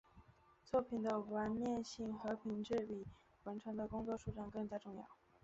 作品的完面性和品质比完成的工作数量更加重要。